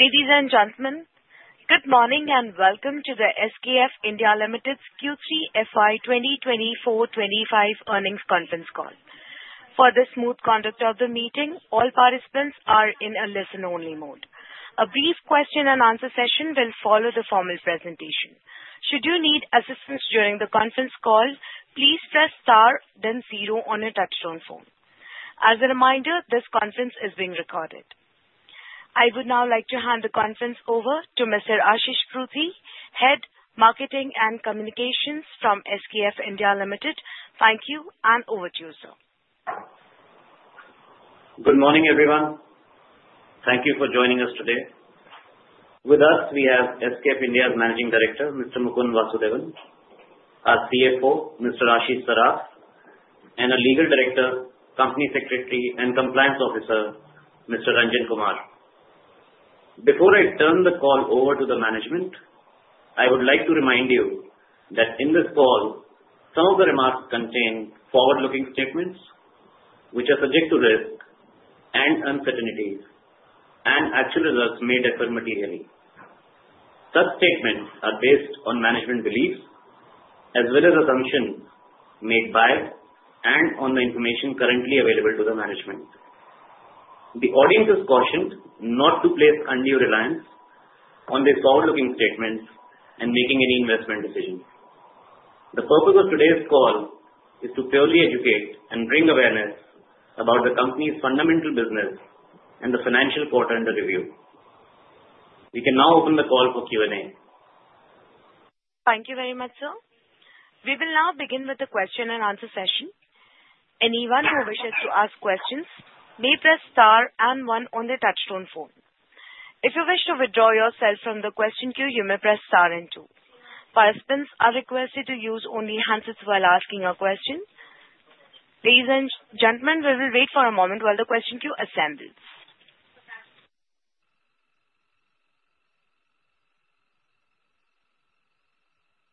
Ladies and gentlemen, good morning and welcome to the SKF India Limited's Q3 FY 2024-2025 earnings conference call. For the smooth conduct of the meeting, all participants are in a listen-only mode. A brief question-and-answer session will follow the formal presentation. Should you need assistance during the conference call, please press star then zero on your touch-tone phone. As a reminder, this conference is being recorded. I would now like to hand the conference over to Mr. Ashish Pruthi, Head of Marketing and Communications from SKF India Limited. Thank you, and over to you, sir. Good morning, everyone. Thank you for joining us today. With us, we have SKF India's Managing Director, Mr. Mukund Vasudevan, our CFO, Mr. Ashish Saraf, and our Legal Director, Company Secretary, and Compliance Officer, Mr. Ranjan Kumar. Before I turn the call over to the management, I would like to remind you that in this call, some of the remarks contain forward-looking statements which are subject to risk and uncertainties, and actual results may differ materially. Such statements are based on management beliefs as well as assumptions made by and on the information currently available to the management. The audience is cautioned not to place undue reliance on these forward-looking statements in making any investment decisions. The purpose of today's call is to purely educate and bring awareness about the company's fundamental business and the financial quarter under review. We can now open the call for Q&A. Thank you very much, sir. We will now begin with the question-and-answer session. Anyone who wishes to ask questions may press star and one on the touch-tone phone. If you wish to withdraw yourself from the question queue, you may press star and two. Participants are requested to use only handsets while asking a question. Ladies and gentlemen, we will wait for a moment while the question queue assembles.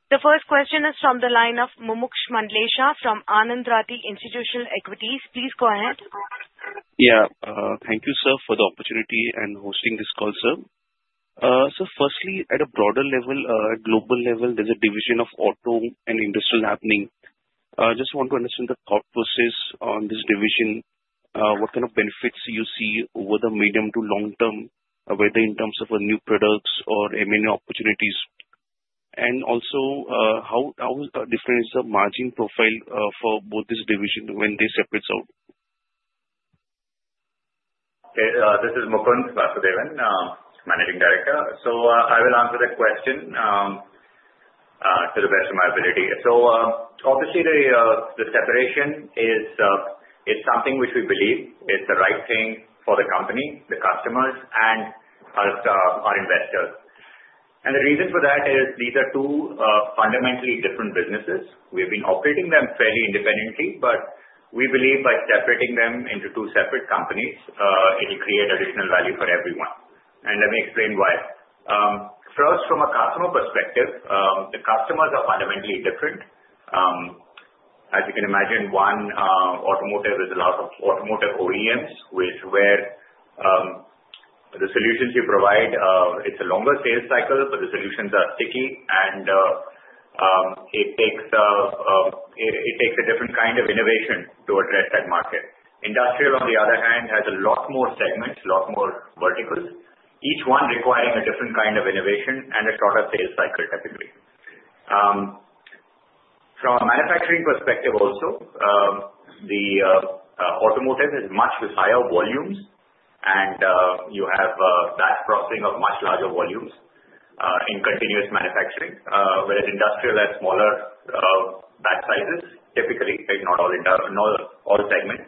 The first question is from the line of Mumuksh Mandlesha from Anand Rathi Institutional Equities. Please go ahead. Yeah. Thank you, sir, for the opportunity and hosting this call, sir. So firstly, at a broader level, global level, there's a division of auto and industrial happening. I just want to understand the thought process on this division, what kind of benefits you see over the medium to long term, whether in terms of new products or many opportunities, and also how different is the margin profile for both this division when they separate out. This is Mukund Vasudevan, Managing Director. So I will answer the question to the best of my ability. So obviously, the separation is something which we believe is the right thing for the company, the customers, and our investors. And the reason for that is these are two fundamentally different businesses. We have been operating them fairly independently, but we believe by separating them into two separate companies, it will create additional value for everyone. And let me explain why. First, from a customer perspective, the customers are fundamentally different. As you can imagine, one automotive is a lot of automotive OEMs, which is where the solutions you provide, it's a longer sales cycle, but the solutions are sticky, and it takes a different kind of innovation to address that market. Industrial, on the other hand, has a lot more segments, a lot more verticals, each one requiring a different kind of innovation and a shorter sales cycle, typically. From a manufacturing perspective, also, the automotive is much higher volumes, and you have batch processing of much larger volumes in continuous manufacturing, whereas industrial has smaller batch sizes, typically, not all segments,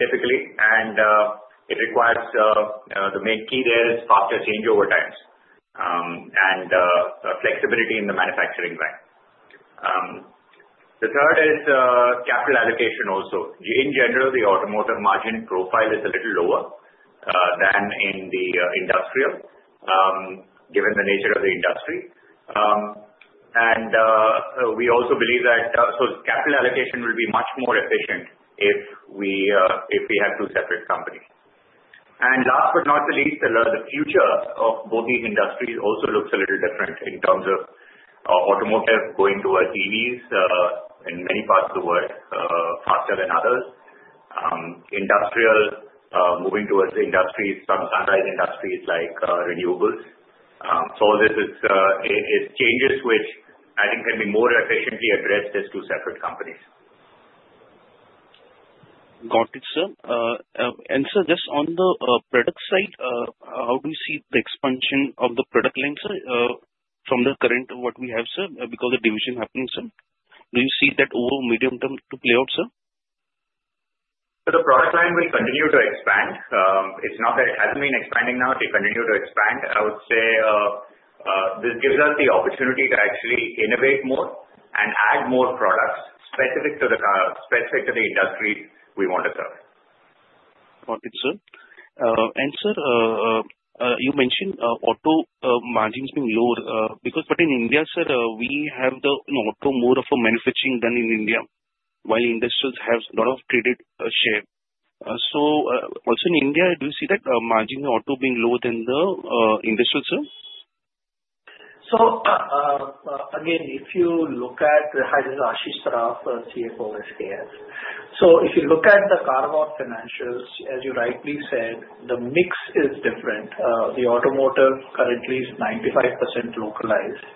typically, and it requires the main key there is faster changeover times and flexibility in the manufacturing line. The third is capital allocation also. In general, the automotive margin profile is a little lower than in the industrial, given the nature of the industry, and we also believe that capital allocation will be much more efficient if we have two separate companies. And last but not least, the future of both these industries also looks a little different in terms of automotive going towards EVs in many parts of the world faster than others. Industrial moving towards the industries, some sunrise industries like renewables. So all this is changes which, I think, can be more efficiently addressed as two separate companies. Got it, sir. And sir, just on the product side, how do you see the expansion of the product line, sir, from the current what we have, sir, because of the division happening, sir? Do you see that over medium term to play out, sir? The product line will continue to expand. It's not that it hasn't been expanding now. It will continue to expand. I would say this gives us the opportunity to actually innovate more and add more products specific to the industries we want to cover. Got it, sir. And sir, you mentioned auto margins being lower. But in India, sir, we have the auto more of a manufacturing than in India, while industrials have a lot of traded share. So also in India, do you see that margin in auto being lower than the industrial, sir? So again, if you look at Ashish Saraf, CFO at SKF, so if you look at the carve-out financials, as you rightly said, the mix is different. The automotive currently is 95% localized,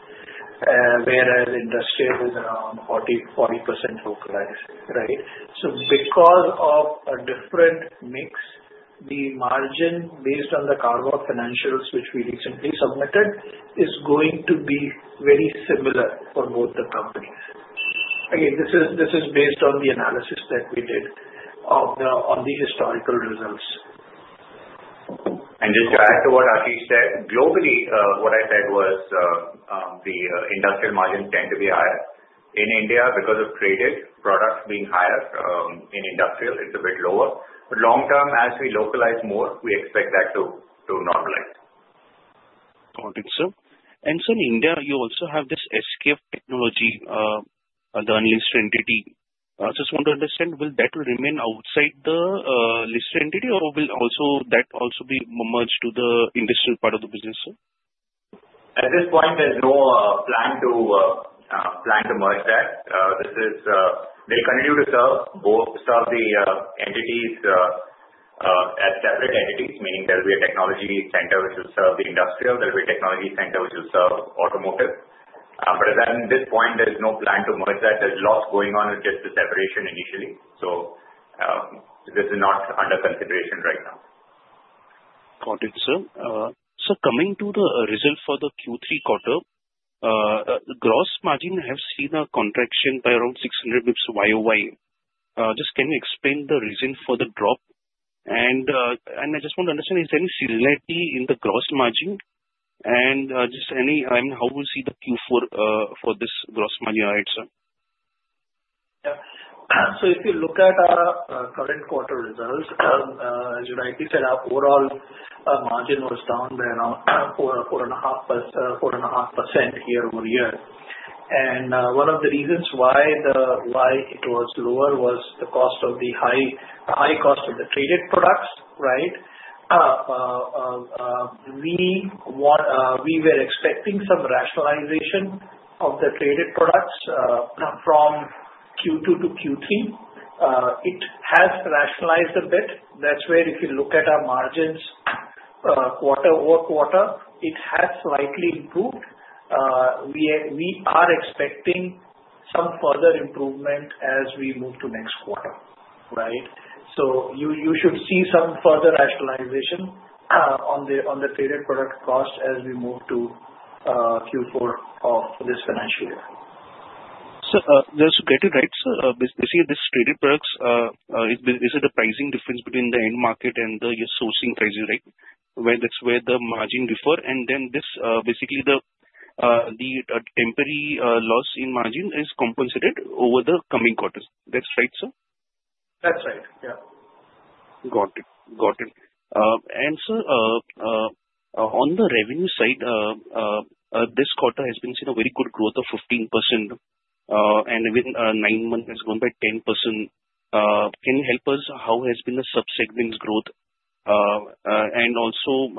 whereas industrial is around 40% localized, right, so because of a different mix, the margin based on the carve-out financials, which we recently submitted, is going to be very similar for both the companies. Again, this is based on the analysis that we did on the historical results, and just to add to what Ashish said, globally, what I said was the industrial margins tend to be higher. In India, because of traded products being higher in industrial, it is a bit lower. But long term, as we localize more, we expect that to normalize. Got it, sir. And sir, in India, you also have this SKF Technologies as the listed entity. I just want to understand, will that remain outside the listed entity, or will that also be merged to the industrial part of the business, sir? At this point, there's no plan to merge that. They continue to serve both the entities as separate entities, meaning there'll be a technology center which will serve the industrial. There'll be a technology center which will serve automotive. But at this point, there's no plan to merge that. There's lots going on with just the separation initially. So this is not under consideration right now. Got it, sir. So coming to the result for the Q3 quarter, gross margin has seen a contraction by around 600 basis points YoY. Just, can you explain the reason for the drop? And I just want to understand, is there any similarity in the gross margin? And just how will you see the Q4 for this gross margin right, sir? So if you look at our current quarter results, as you rightly said, our overall margin was down by around 4.5% year-over-year. And one of the reasons why it was lower was the high cost of the traded products, right? We were expecting some rationalization of the traded products from Q2 to Q3. It has rationalized a bit. That's where if you look at our margins quarter-over-quarter, it has slightly improved. We are expecting some further improvement as we move to next quarter, right? So you should see some further rationalization on the traded product cost as we move to Q4 of this financial year. So just to get it right, sir, basically, this traded products, is it a pricing difference between the end market and the sourcing prices, right? That's where the margin differ. And then basically, the temporary loss in margin is compensated over the coming quarters. That's right, sir? That's right, yeah. Got it. Got it. And sir, on the revenue side, this quarter has been seeing a very good growth of 15%, and within nine months, it's gone by 10%. Can you help us? How has been the subsegments growth? And also,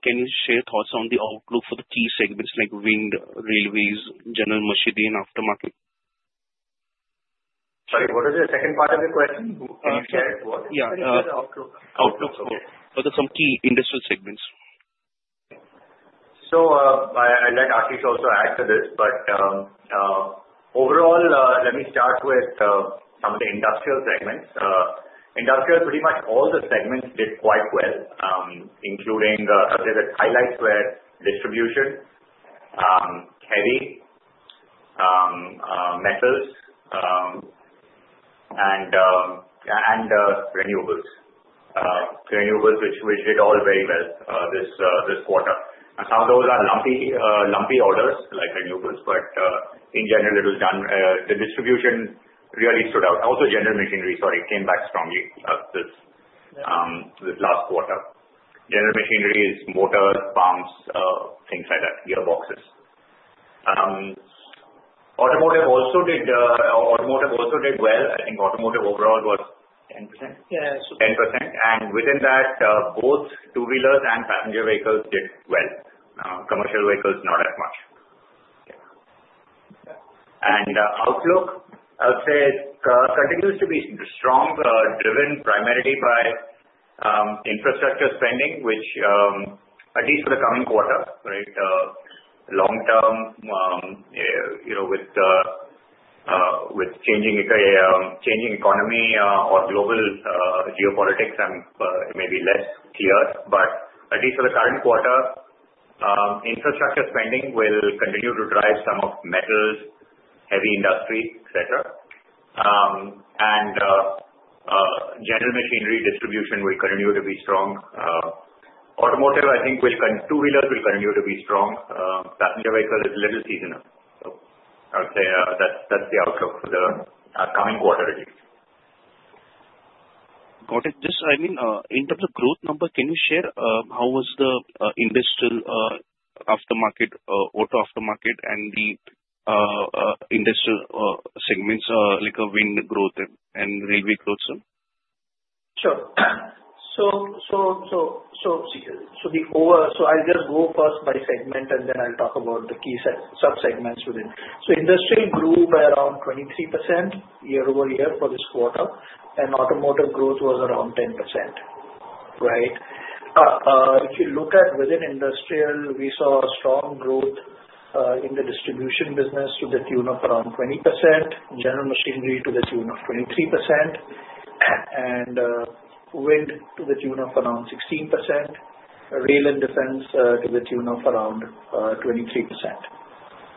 can you share thoughts on the outlook for the key segments like wind, railways, general machinery, and aftermarket? Sorry, what was the second part of your question? Can you share? Yeah. Outlook. Outlook. Okay. For some key industrial segments. So I let Ashish also add to this, but overall, let me start with some of the industrial segments. Industrial, pretty much all the segments did quite well, including highlights where distribution, heavy, metals, and renewables, which did all very well this quarter. And some of those are lumpy orders like renewables, but in general, it was done. The distribution really stood out. Also, general machinery, sorry, came back strongly this last quarter. General machinery is motors, pumps, things like that, gearboxes. Automotive also did well. I think automotive overall was 10%. Yeah. 10%. And within that, both two-wheelers and passenger vehicles did well. Commercial vehicles, not as much. And outlook, I would say, continues to be strong, driven primarily by infrastructure spending, which at least for the coming quarter, right, long term with changing economy or global geopolitics, I'm maybe less clear. But at least for the current quarter, infrastructure spending will continue to drive some of metals, heavy industry, etc. And general machinery distribution will continue to be strong. Automotive, I think, two-wheelers will continue to be strong. Passenger vehicle is a little seasonal. So I would say that's the outlook for the coming quarter, at least. Got it. Just, I mean, in terms of growth number, can you share how was the industrial aftermarket, auto aftermarket, and the industrial segments, like wind growth and railway growth, sir? Sure. So I'll just go first by segment, and then I'll talk about the key subsegments within. So industrial grew by around 23% year-over-year for this quarter, and automotive growth was around 10%, right? If you look at within industrial, we saw a strong growth in the distribution business to the tune of around 20%, general machinery to the tune of 23%, and wind to the tune of around 16%, rail and defense to the tune of around 23%,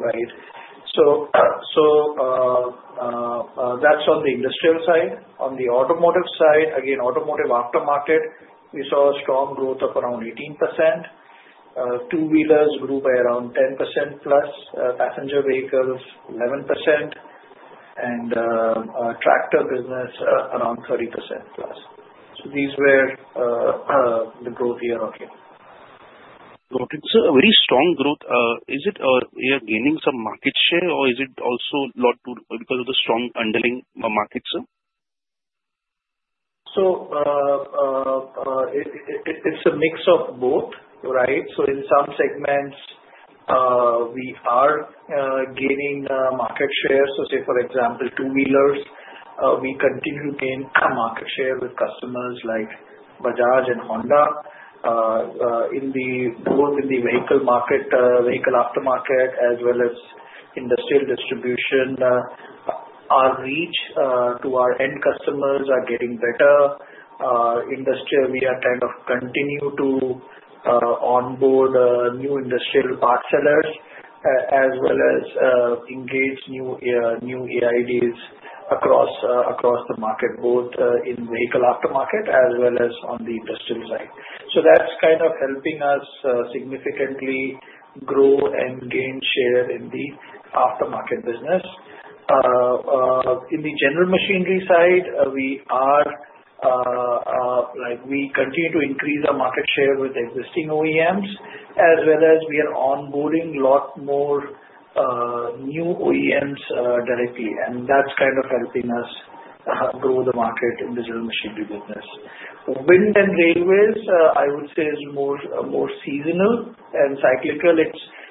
right? So that's on the industrial side. On the automotive side, again, automotive aftermarket, we saw a strong growth of around 18%. Two-wheelers grew by around 10%+, passenger vehicles 11%, and tractor business around 30%+. So these were the growth year-over-year. Got it. So a very strong growth. Is it you're gaining some market share, or is it also a lot because of the strong underlying market, sir? So it's a mix of both, right? So in some segments, we are gaining market share. So say, for example, two-wheelers, we continue to gain market share with customers like Bajaj and Honda. Both in the vehicle market, vehicle aftermarket, as well as industrial distribution, our reach to our end customers is getting better. Industrial, we are kind of continue to onboard new industrial part sellers as well as engage new ADs across the market, both in vehicle aftermarket as well as on the industrial side. So that's kind of helping us significantly grow and gain share in the aftermarket business. In the general machinery side, we continue to increase our market share with existing OEMs, as well as we are onboarding a lot more new OEMs directly. And that's kind of helping us grow the market in the general machinery business. Wind and railways, I would say, is more seasonal and cyclical.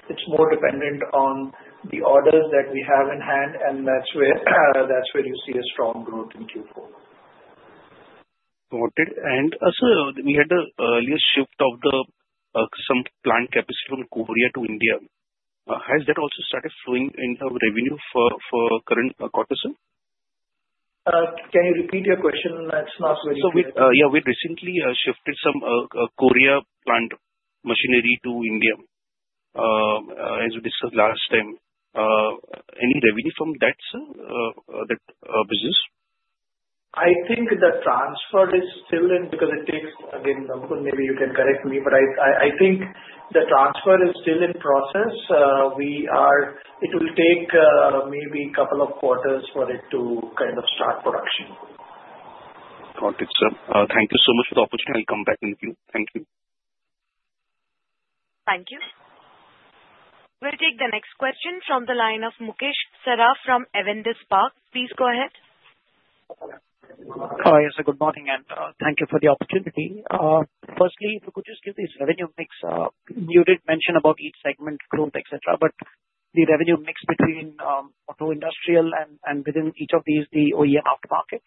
It's more dependent on the orders that we have in hand, and that's where you see a strong growth in Q4. Got it, and sir, we had the earlier shift of some plant capacity from Korea to India. Has that also started flowing into revenue for current quarter, sir? Can you repeat your question? That's not very clear. Yeah. We recently shifted some Korea plant machinery to India, as we discussed last time. Any revenue from that, sir, that business? I think the transfer is still in because it takes, again, maybe you can correct me, but I think the transfer is still in process. It will take maybe a couple of quarters for it to kind of start production. Got it, sir. Thank you so much for the opportunity. I'll come back to you. Thank you. Thank you. We'll take the next question from the line of Mukesh Saraf from Avendus Spark. Please go ahead. Hi, yes, good morning, and thank you for the opportunity. Firstly, if you could just give this revenue mix, you did mention about each segment growth, etc., but the revenue mix between auto industrial and within each of these, the OEM aftermarket?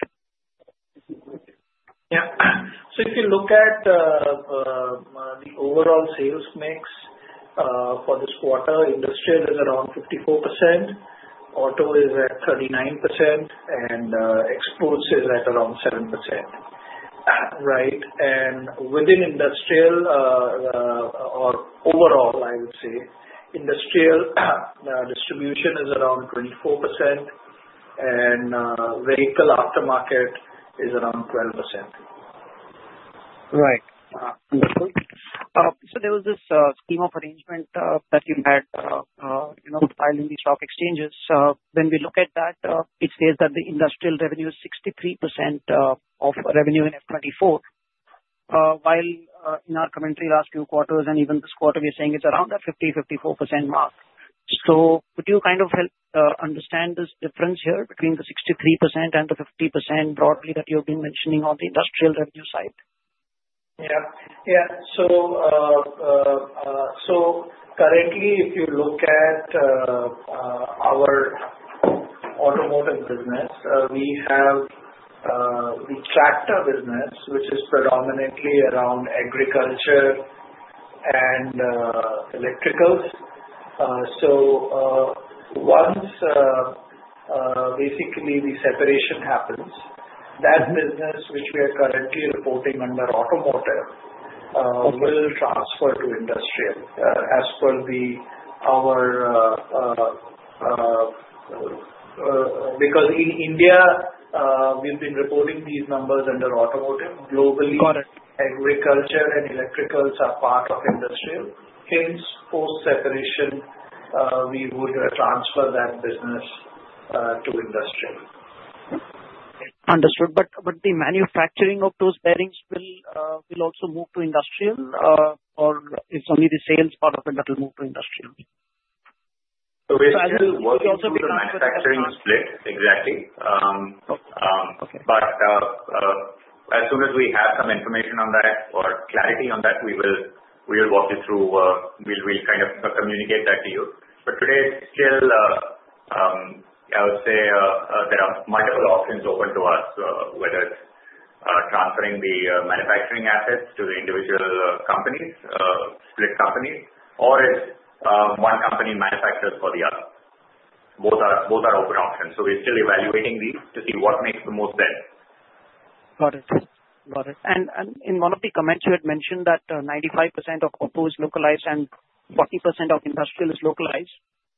Yeah. So if you look at the overall sales mix for this quarter, industrial is around 54%, auto is at 39%, and exports is at around 7%, right? And within industrial, or overall, I would say, industrial distribution is around 24%, and vehicle aftermarket is around 12%. Right. So there was this scheme of arrangement that you had filed in the stock exchanges. When we look at that, it says that the industrial revenue is 63% of revenue in F24, while in our commentary last few quarters and even this quarter, we're saying it's around the 50%-54% mark. So could you kind of help understand this difference here between the 63% and the 50% broadly that you've been mentioning on the industrial revenue side? Yeah. Yeah. So currently, if you look at our automotive business, our tractor business, which is predominantly around agriculture and electricals. So once basically the separation happens, that business, which we are currently reporting under automotive, will transfer to industrial as per our because in India, we've been reporting these numbers under automotive. Globally, agriculture and electricals are part of industrial. Hence, post-separation, we would transfer that business to industrial. Understood. But the manufacturing of those bearings will also move to industrial, or it's only the sales part of it that will move to industrial? So we also did a manufacturing split, exactly. But as soon as we have some information on that or clarity on that, we will walk you through. We'll kind of communicate that to you. But today, still, I would say there are multiple options open to us, whether it's transferring the manufacturing assets to the individual companies, split companies, or it's one company manufactures for the other. Both are open options. So we're still evaluating these to see what makes the most sense. Got it. Got it. And in one of the comments, you had mentioned that 95% of auto is localized and 40% of industrial is localized.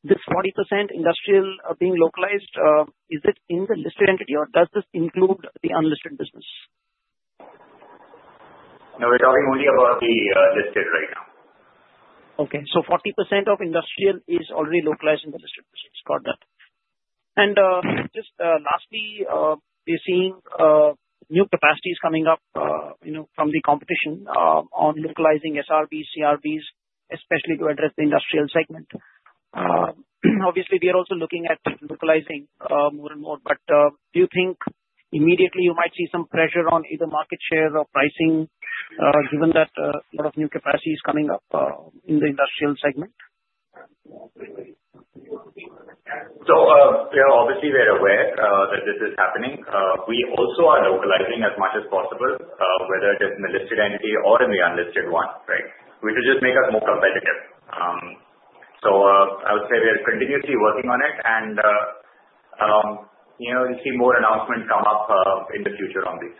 This 40% industrial being localized, is it in the listed entity, or does this include the unlisted business? No, we're talking only about the listed right now. Okay. So 40% of industrial is already localized in the listed business. Got that. And just lastly, we're seeing new capacities coming up from the competition on localizing SRBs, CRBs, especially to address the industrial segment. Obviously, we are also looking at localizing more and more, but do you think immediately you might see some pressure on either market share or pricing, given that a lot of new capacity is coming up in the industrial segment? So obviously, we are aware that this is happening. We also are localizing as much as possible, whether it is in the listed entity or in the unlisted one, right, which will just make us more competitive. So I would say we are continuously working on it, and you'll see more announcements come up in the future on these.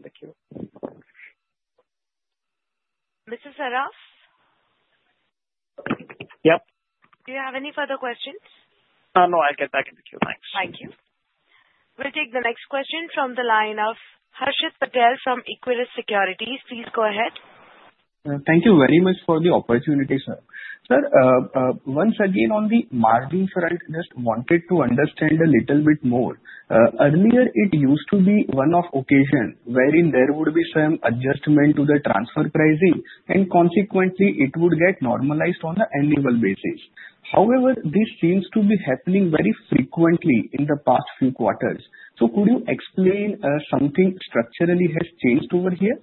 Thank you. Mr. Saraf? Yep. Do you have any further questions? No, I can take you. Thanks. Thank you. We'll take the next question from the line of Harshit Patel from Equirus Securities. Please go ahead. Thank you very much for the opportunity, sir. Sir, once again, on the margins, right, just wanted to understand a little bit more. Earlier, it used to be one occasion wherein there would be some adjustment to the transfer pricing, and consequently, it would get normalized on an annual basis. However, this seems to be happening very frequently in the past few quarters. So could you explain something structurally has changed over here?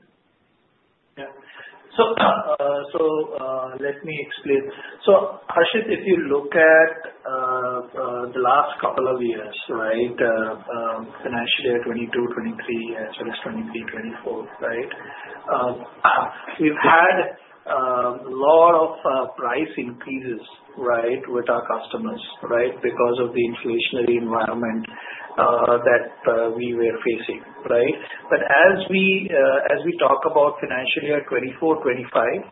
Yeah. So let me explain. So Harshit, if you look at the last couple of years, right, financial year 2022, 2023, and so that's 2023, 2024, right, we've had a lot of price increases, right, with our customers, right, because of the inflationary environment that we were facing, right? But as we talk about financial year 2024, 2025,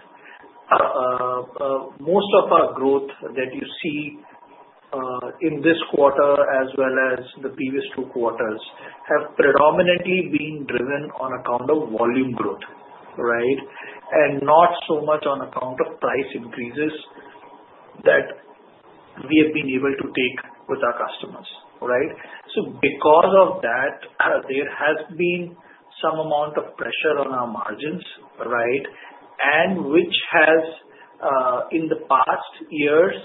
most of our growth that you see in this quarter as well as the previous two quarters have predominantly been driven on account of volume growth, right, and not so much on account of price increases that we have been able to take with our customers, right? So because of that, there has been some amount of pressure on our margins, right, which has in the past years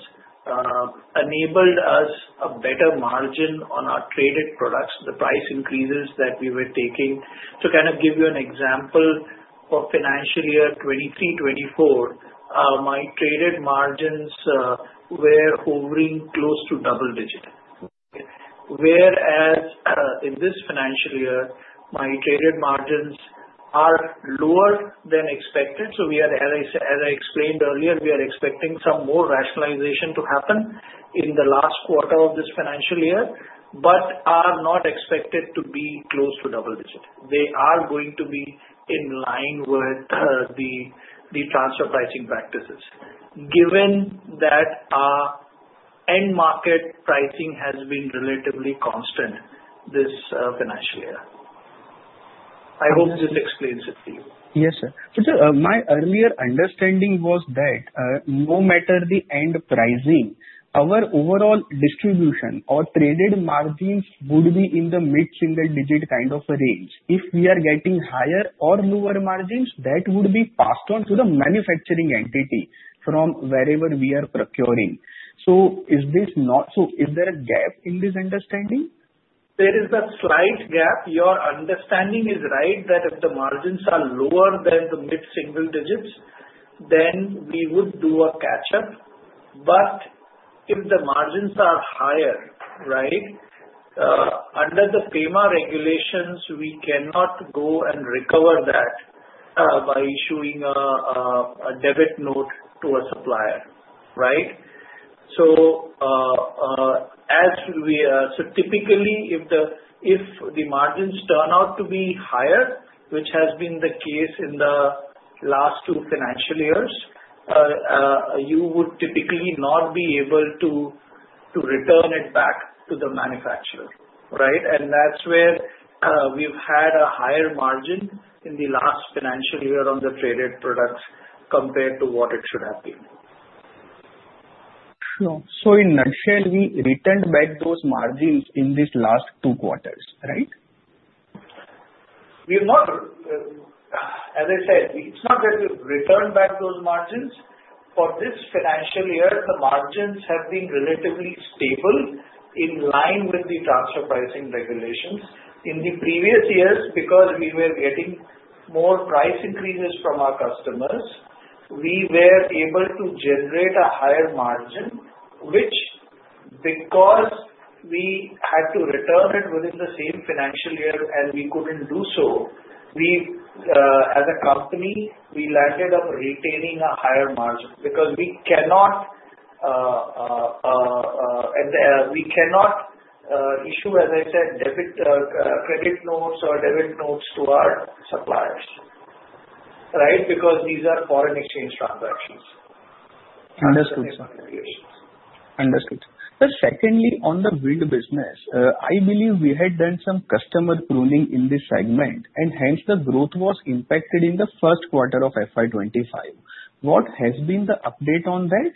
enabled us a better margin on our traded products, the price increases that we were taking. So, kind of give you an example for financial year 2023-2024, my traded margins were hovering close to double-digit, whereas in this financial year, my traded margins are lower than expected. So as I explained earlier, we are expecting some more rationalization to happen in the last quarter of this financial year, but are not expected to be close to double-digit. They are going to be in line with the transfer pricing practices, given that our end market pricing has been relatively constant this financial year. I hope this explains it to you. Yes, sir. So my earlier understanding was that no matter the end pricing, our overall distribution or traded margins would be in the mid-single digit kind of a range. If we are getting higher or lower margins, that would be passed on to the manufacturing entity from wherever we are procuring. So is this not so? Is there a gap in this understanding? There is a slight gap. Your understanding is right that if the margins are lower than the mid-single digits, then we would do a catch-up. But if the margins are higher, right, under the FEMA regulations, we cannot go and recover that by issuing a debit note to a supplier, right? So typically, if the margins turn out to be higher, which has been the case in the last two financial years, you would typically not be able to return it back to the manufacturer, right? And that's where we've had a higher margin in the last financial year on the traded products compared to what it should have been. Sure. So in that shell, we returned back those margins in these last two quarters, right? As I said, it's not that we returned back those margins. For this financial year, the margins have been relatively stable in line with the transfer pricing regulations. In the previous years, because we were getting more price increases from our customers, we were able to generate a higher margin, which, because we had to return it within the same financial year and we couldn't do so, as a company, we landed up retaining a higher margin because we cannot issue, as I said, credit notes or debit notes to our suppliers, right, because these are foreign exchange transactions. Understood, sir. Understood. But secondly, on the wind business, I believe we had done some customer pruning in this segment, and hence the growth was impacted in the first quarter of FY 2025. What has been the update on that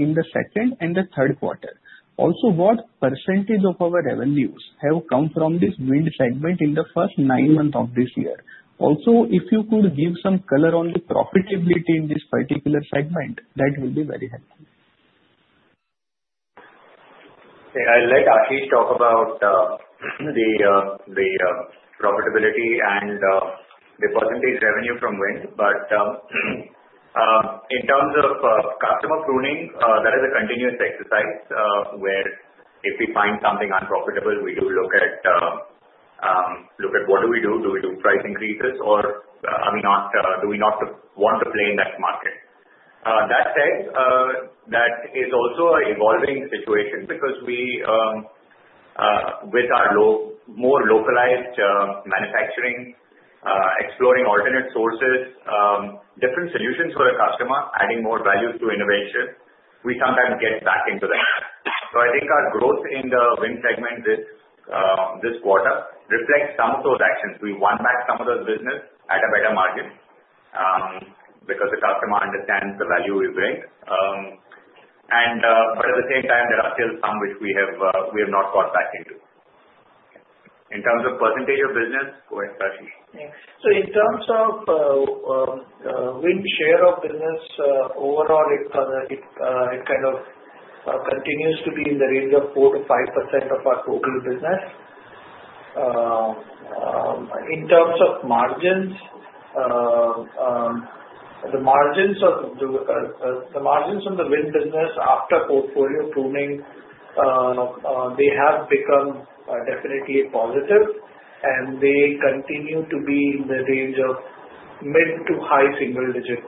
in the second and the third quarter? Also, what percentage of our revenues have come from this wind segment in the first nine months of this year? Also, if you could give some color on the profitability in this particular segment, that will be very helpful. I'll let Ashish talk about the profitability and the percentage revenue from wind, but in terms of customer pruning, that is a continuous exercise where if we find something unprofitable, we do look at what do we do? Do we do price increases or do we not want to play in that market? That said, that is also an evolving situation because with our more localized manufacturing, exploring alternate sources, different solutions for the customer, adding more value to innovation, we sometimes get back into that. So I think our growth in the wind segment this quarter reflects some of those actions. We won back some of those businesses at a better margin because the customer understands the value we bring. But at the same time, there are still some which we have not got back into. In terms of percentage of business, go ahead, Ashish. So in terms of wind share of business, overall, it kind of continues to be in the range of 4%-5% of our total business. In terms of margins, the margins on the wind business after portfolio pruning, they have become definitely positive, and they continue to be in the range of mid- to high single-digit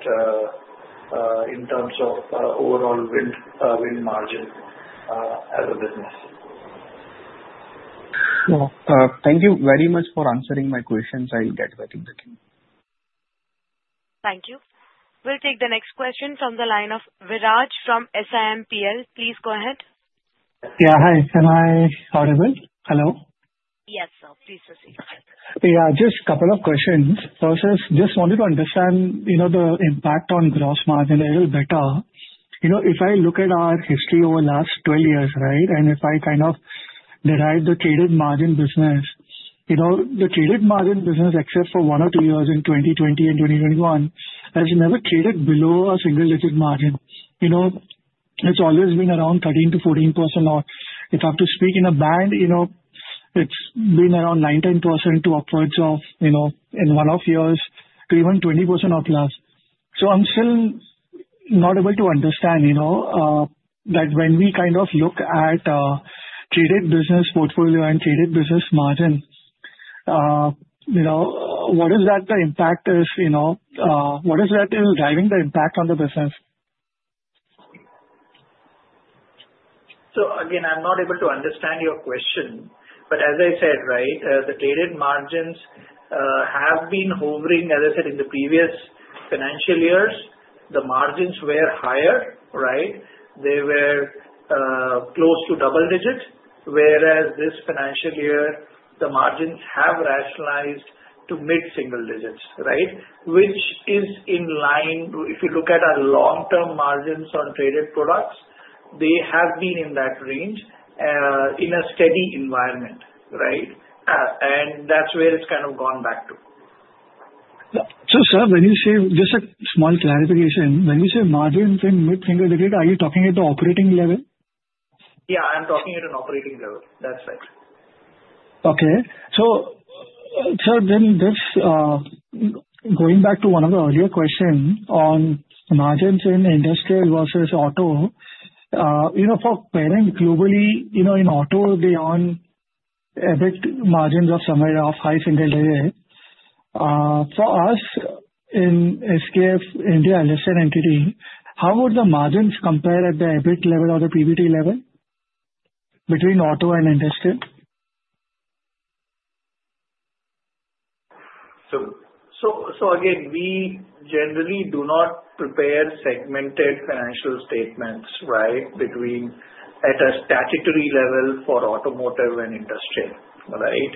in terms of overall wind margin as a business. Thank you very much for answering my questions. I'll get back to the team. Thank you. We'll take the next question from the line of Viraj from SiMPL. Please go ahead. Yeah. Hi. Can I hear you well? Hello? Yes, sir. Please proceed. Yeah. Just a couple of questions. First is just wanted to understand the impact on gross margin a little better. If I look at our history over the last 12 years, right, and if I kind of derive the traded margin business, the traded margin business, except for one or two years in 2020 and 2021, has never traded below a single digit margin. It's always been around 13%-14% off. If I have to speak in a band, it's been around 9%-10% to upwards of in one of years to even 20% upwards. So I'm still not able to understand that when we kind of look at traded business portfolio and traded business margin, what is that the impact is? What is that driving the impact on the business? So again, I'm not able to understand your question, but as I said, right, the traded margins have been hovering, as I said, in the previous financial years. The margins were higher, right? They were close to double digit, whereas this financial year, the margins have rationalized to mid-single digits, right, which is in line. If you look at our long-term margins on traded products, they have been in that range in a steady environment, right? And that's where it's kind of gone back to. So sir, when you say just a small clarification, when you say margins in mid-single digit, are you talking at the operating level? Yeah. I'm talking at an operating level. That's right. Okay. So then going back to one of the earlier questions on margins in industrial versus auto, for current globally in auto, they own EBIT margins of somewhere of high single digit. For us in SKF India, listed entity, how would the margins compare at the EBIT level or the PBT level between auto and industrial? So again, we generally do not prepare segmented financial statements, right, at a statutory level for automotive and industrial, right?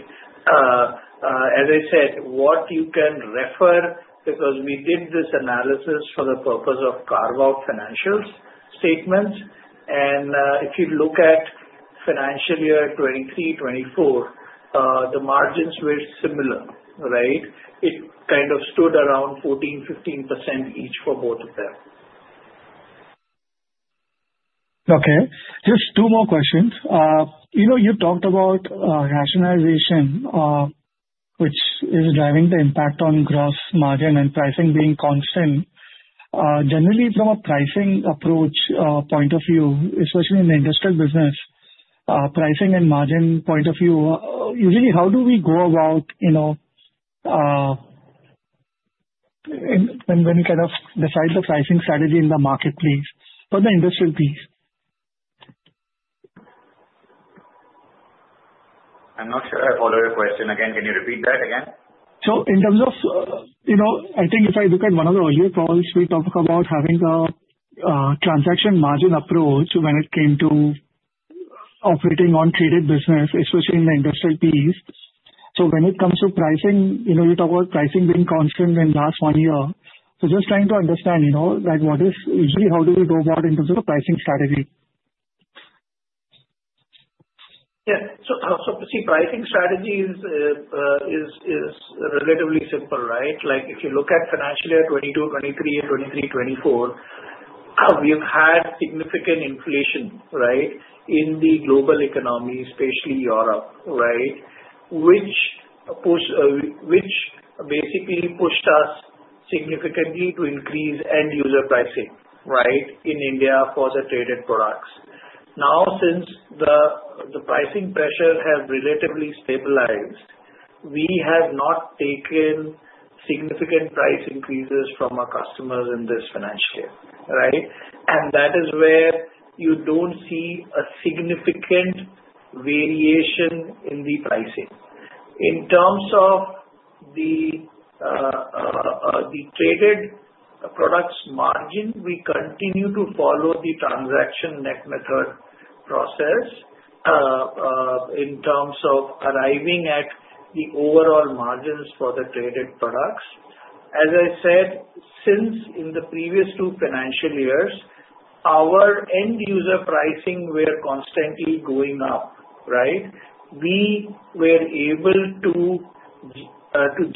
As I said, what you can refer because we did this analysis for the purpose of carve-out financial statements, and if you look at financial year 2023, 2024, the margins were similar, right? It kind of stood around 14%-15% each for both of them. Okay. Just two more questions. You talked about rationalization, which is driving the impact on gross margin and pricing being constant. Generally, from a pricing approach point of view, especially in the industrial business, pricing and margin point of view, usually how do we go about when we kind of decide the pricing strategy in the marketplace for the industrial piece? I'm not sure I follow your question. Again, can you repeat that again? So in terms of I think if I look at one of the earlier calls, we talked about having a transaction margin approach when it came to operating on traded business, especially in the industrial piece. So when it comes to pricing, you talk about pricing being constant in the last one year. So just trying to understand that what is usually how do we go about in terms of the pricing strategy? Yeah. So see, pricing strategy is relatively simple, right? If you look at financial year 2022-2023, and 2023-2024, we've had significant inflation, right, in the global economy, especially Europe, right, which basically pushed us significantly to increase end-user pricing, right, in India for the traded products. Now, since the pricing pressure has relatively stabilized, we have not taken significant price increases from our customers in this financial year, right? And that is where you don't see a significant variation in the pricing. In terms of the traded products margin, we continue to follow the transaction net margin method process in terms of arriving at the overall margins for the traded products. As I said, since in the previous two financial years, our end-user pricing were constantly going up, right? We were able to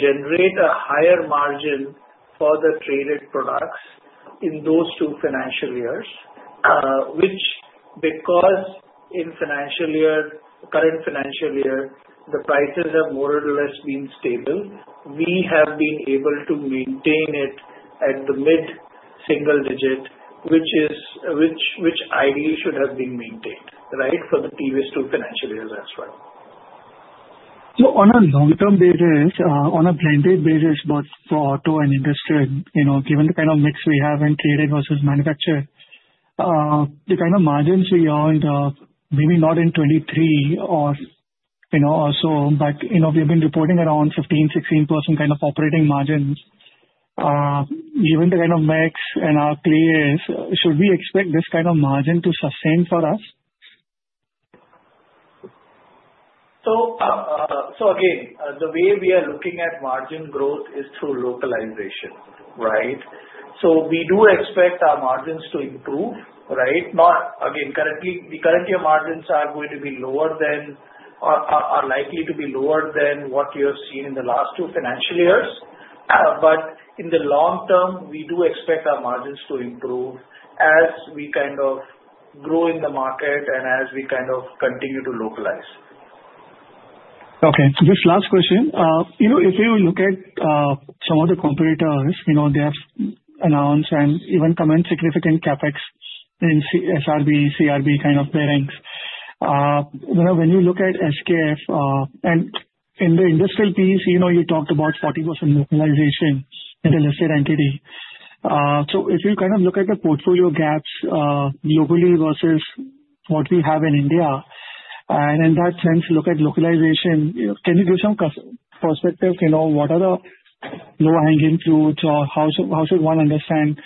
generate a higher margin for the traded products in those two financial years, which, because in financial year current financial year the prices have more or less been stable, we have been able to maintain it at the mid-single digit, which ideally should have been maintained, right, for the previous two financial years as well. On a long-term basis, on a blanket basis, both for auto and industrial, given the kind of mix we have in traded versus manufactured, the kind of margins we earned, maybe not in 2023 or so, but we have been reporting around 15%-16% kind of operating margins. Given the kind of mix and our players, should we expect this kind of margin to sustain for us? So again, the way we are looking at margin growth is through localization, right? So we do expect our margins to improve, right? Again, currently, the current year margins are going to be lower than they are likely to be, lower than what you have seen in the last two financial years. But in the long term, we do expect our margins to improve as we kind of grow in the market and as we kind of continue to localize. Okay. Just last question. If you look at some of the competitors, they have announced and even commented on significant CapEx in SRB, CRB kind of bearings. When you look at SKF and in the industrial piece, you talked about 40% localization in the listed entity. So if you kind of look at the portfolio gaps globally versus what we have in India, and in that sense, look at localization, can you give some perspective? What are the low-hanging fruits or how should one understand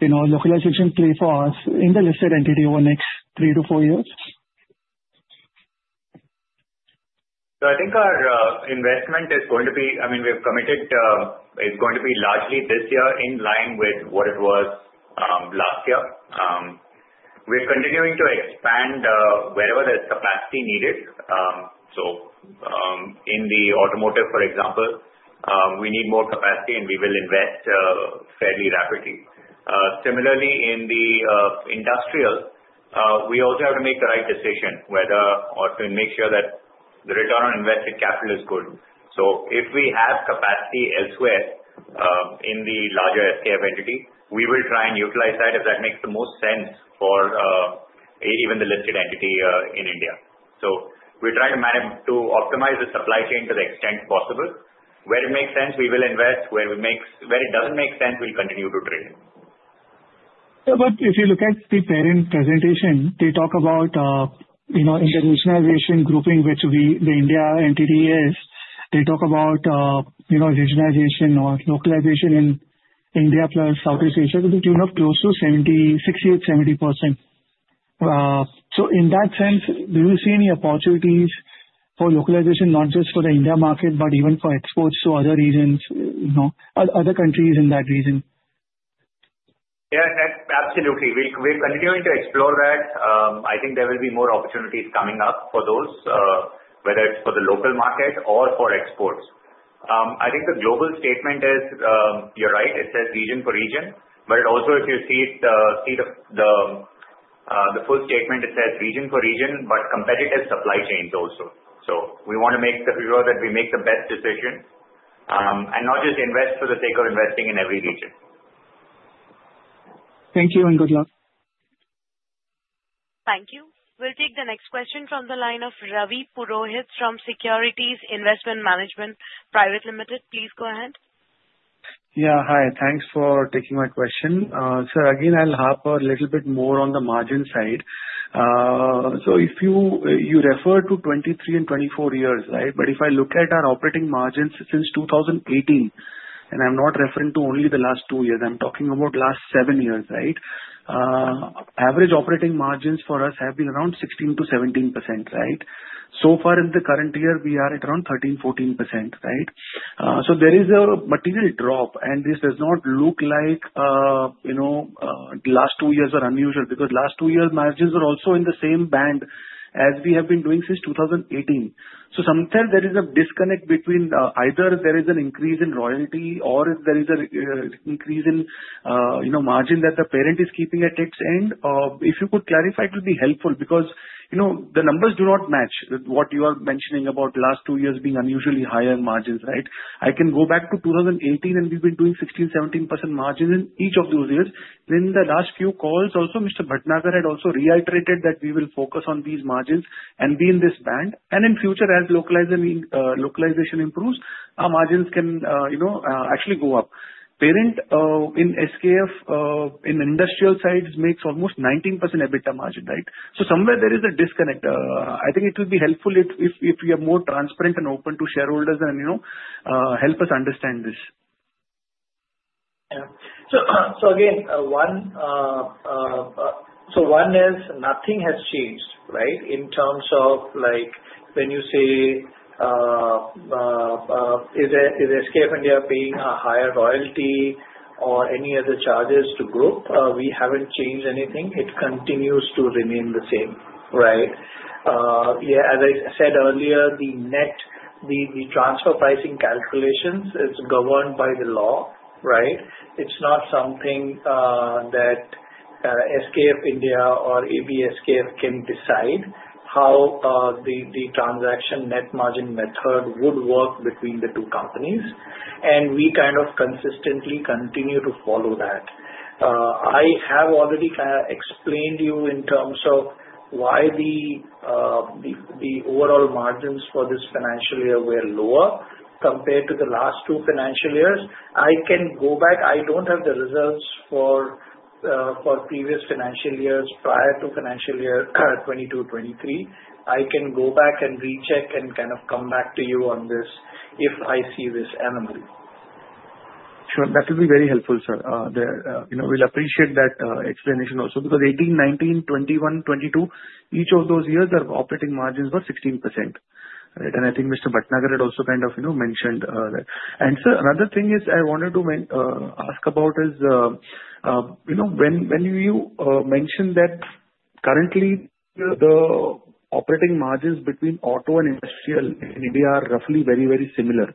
localization play for us in the listed entity over the next three to four years? I think our investment is going to be. I mean, we have committed it's going to be largely this year in line with what it was last year. We're continuing to expand wherever there's capacity needed. In the automotive, for example, we need more capacity, and we will invest fairly rapidly. Similarly, in the industrial, we also have to make the right decision whether or not to make sure that the return on invested capital is good. If we have capacity elsewhere in the larger SKF entity, we will try and utilize that if that makes the most sense for even the listed entity in India. We're trying to optimize the supply chain to the extent possible. Where it makes sense, we will invest. Where it doesn't make sense, we'll continue to trade. But if you look at the parent presentation, they talk about Industrial Region grouping, which the India entity is. They talk about regionalization or localization in India plus Southeast Asia to the tune of close to 60%-70%. So in that sense, do you see any opportunities for localization, not just for the India market, but even for exports to other regions, other countries in that region? Yeah. Absolutely. We're continuing to explore that. I think there will be more opportunities coming up for those, whether it's for the local market or for exports. I think the global statement is you're right. It says region for region. But also, if you see the full statement, it says region for region, but competitive supply chains also. So we want to make sure that we make the best decision and not just invest for the sake of investing in every region. Thank you and good luck. Thank you. We'll take the next question from the line of Ravi Purohit from Securities Investment Management Private Limited. Please go ahead. Yeah. Hi. Thanks for taking my question. So again, I'll harp a little bit more on the margin side. So you refer to 2023 and 2024 years, right? But if I look at our operating margins since 2018, and I'm not referring to only the last two years. I'm talking about last seven years, right? Average operating margins for us have been around 16%-17%, right? So far, in the current year, we are at around 13%-14%, right? So there is a material drop, and this does not look like the last two years are unusual because last two years, margins are also in the same band as we have been doing since 2018. So sometimes there is a disconnect between either there is an increase in royalty or if there is an increase in margin that the parent is keeping at its end. If you could clarify, it would be helpful because the numbers do not match what you are mentioning about the last two years being unusually higher margins, right? I can go back to 2018, and we've been doing 16%-17% margins in each of those years, then the last few calls, also, Mr. Bhatnagar had also reiterated that we will focus on these margins and be in this band, and in future, as localization improves, our margins can actually go up. Parent in SKF in industrial sides makes almost 19% EBITDA margin, right, so somewhere there is a disconnect. I think it would be helpful if you are more transparent and open to shareholders and help us understand this. Yeah. So again, so one is nothing has changed, right, in terms of when you say, is SKF India paying a higher royalty or any other charges to group? We haven't changed anything. It continues to remain the same, right? Yeah. As I said earlier, the transfer pricing calculations is governed by the law, right? It's not something that SKF India or AB SKF can decide how the transaction net margin method would work between the two companies. And we kind of consistently continue to follow that. I have already explained to you in terms of why the overall margins for this financial year were lower compared to the last two financial years. I can go back. I don't have the results for previous financial years prior to financial year 2022, 2023. I can go back and recheck and kind of come back to you on this if I see this anomaly. Sure. That would be very helpful, sir. We'll appreciate that explanation also because 2018, 2019, 2021, 2022, each of those years, their operating margins were 16%. And I think Mr. Bhatnagar had also kind of mentioned that. And sir, another thing I wanted to ask about is when you mentioned that currently, the operating margins between auto and industrial in India are roughly very, very similar,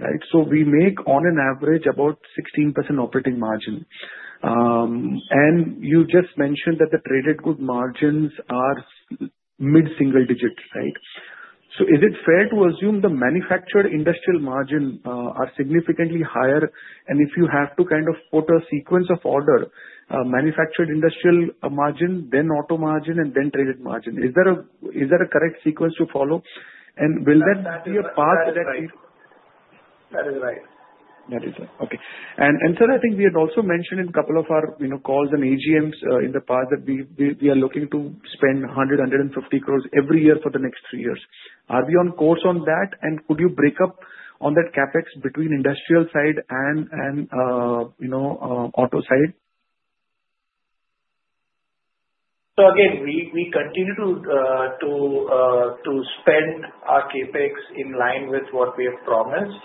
right? So we make, on an average, about 16% operating margin. And you just mentioned that the traded good margins are mid-single digit, right? So is it fair to assume the manufactured industrial margin are significantly higher? And if you have to kind of put a sequence of order, manufactured industrial margin, then auto margin, and then traded margin, is there a correct sequence to follow? And will that be a path that we? That is right. That is right. Okay. And sir, I think we had also mentioned in a couple of our calls and AGMs in the past that we are looking to spend 100 crore-150 crore every year for the next three years. Are we on course on that? And could you break up on that CapEx between industrial side and auto side? Again, we continue to spend our CapEx in line with what we have promised.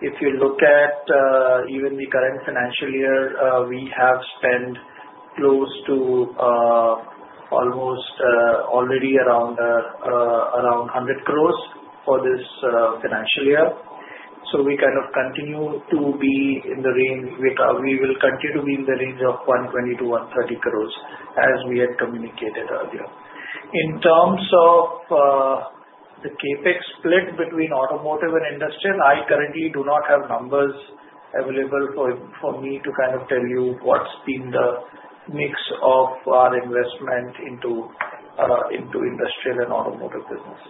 If you look at even the current financial year, we have spent close to almost already around 100 crore for this financial year. We kind of continue to be in the range of 120 crore-130 crore as we had communicated earlier. In terms of the CapEx split between automotive and industrial, I currently do not have numbers available for me to kind of tell you what's been the mix of our investment into industrial and automotive business.